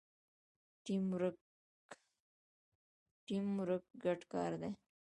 ټیم ورک ګډ کار دی